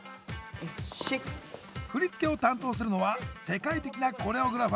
振り付けを担当するのは世界的なコレオグラファーのＳｏｔａ。